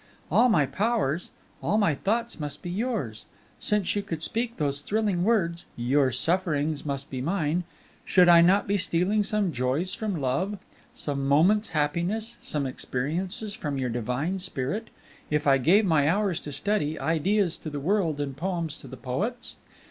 All my powers, all my thoughts must be yours, since you could speak those thrilling words, 'Your sufferings must be mine!' Should I not be stealing some joys from love, some moments from happiness, some experiences from your divine spirit, if I gave my hours to study ideas to the world and poems to the poets?